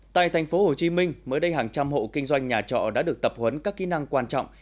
tại thành phố hồ chí minh mới đây hàng trăm hộ kinh doanh nhà trọ đã được tập huấn các kỹ năng quan trọng